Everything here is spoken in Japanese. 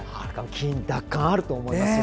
金、奪還あると思います。